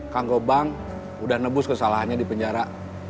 kang gobang udah nebus kesalahannya di penjara